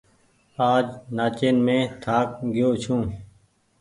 آج نآچين مين ٿآڪ گيو ڇون۔